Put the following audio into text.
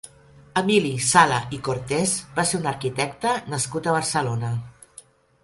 Emili Sala i Cortés va ser un arquitecte nascut a Barcelona.